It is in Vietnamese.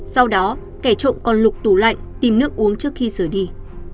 sau đó kẻ trộm còn lục tủ lạnh tìm nước uống trước khi sửa đi